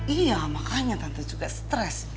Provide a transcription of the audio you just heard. iya makanya tante juga stress